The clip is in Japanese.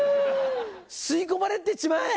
吸い込まれてっちまえ！